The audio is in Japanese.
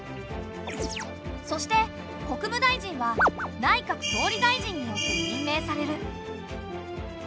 そして国務大臣は内閣総理大臣によって任命される。